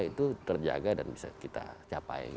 itu terjaga dan bisa kita capai